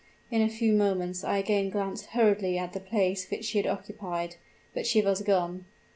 In a few moments I again glanced hurriedly at the place which she had occupied but she was gone.